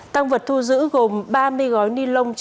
tăng vật thu giữ gồm ba mươi gói ni lông